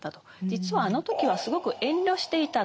実はあの時はすごく遠慮していた。